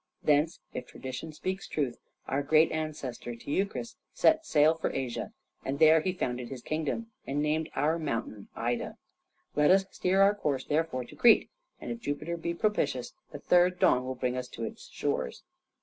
Thence, if tradition speaks truth, our great ancestor Teucrus set sail for Asia and there he founded his kingdom, and named our mountain Ida. Let us steer our course therefore to Crete, and if Jupiter be propitious, the third dawn will bring us to its shores."